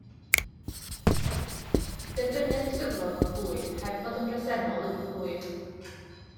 Derbynient gyflog plwyf heb fod yn bresennol yn y plwyf.